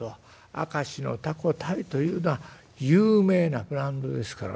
明石のタコタイというのは有名なブランドですからね。